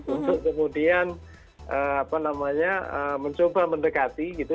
untuk kemudian mencoba mendekati gitu